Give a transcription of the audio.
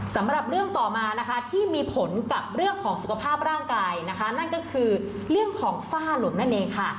สำหรับเรื่องต่อมานะคะที่มีผลกับเรื่องของสุขภาพร่างกายนะคะนั่นก็คือเรื่องของฝ้าหลุมนั่นเองค่ะ